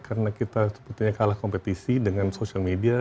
karena kita sebetulnya kalah kompetisi dengan sosial media